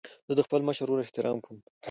زه د خپل مشر ورور احترام کوم.